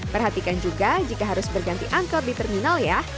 perhatikan juga jika harus berganti angkot di terminal ya